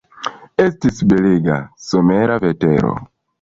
Estis belega, somera vetero.